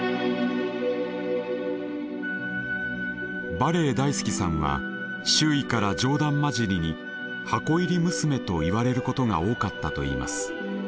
バレエ大好きさんは周囲から冗談交じりに「箱入り娘」と言われることが多かったと言います。